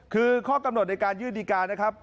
คือข้อกำหนดในการยื่นดีการนะครับ